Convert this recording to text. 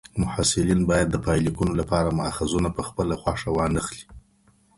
محصلین باید د پایلیکونو لپاره ماخذونه په خپله خوښه وانخلي.